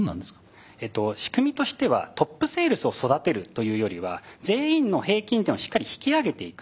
えっと仕組みとしてはトップセールスを育てるというよりは全員の平均点をしっかり引き上げていく。